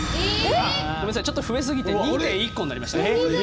ちょっと増え過ぎて２．１個になりました。